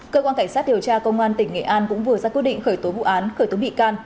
cơ quan cảnh sát điều tra công an tỉnh nghệ an cũng vừa ra quyết định khởi tố vụ án khởi tố bị can